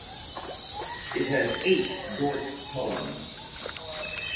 It has eight Doric columns.